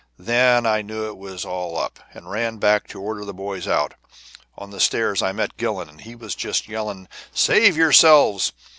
Then I knew it was all up, and ran back to order the boys out. On the stairs I met Gillon, and was just yelling, 'Save yourselves!'